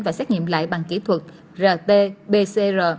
và xét nghiệm lại bằng kỹ thuật rt pcr